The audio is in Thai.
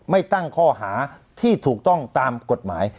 ตั้งข้อหาที่ถูกต้องตามกฎหมาย